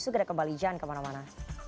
segera kembali jangan kemana mana